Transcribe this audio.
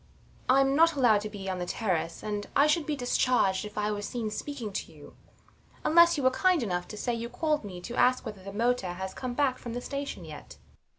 I'm not allowed to be on the terrace; and I should be discharged if I were seen speaking to you, unless you were kind enough to say you called me to ask whether the motor has come back from the station yet.